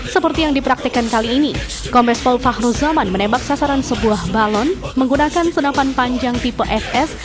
seperti yang dipraktikkan kali ini kombes pol fahruzaman menembak sasaran sebuah balon menggunakan senapan panjang tipe fs